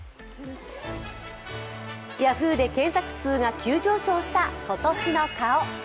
Ｙａｈｏｏ！で検索数が急上昇した今年の顔。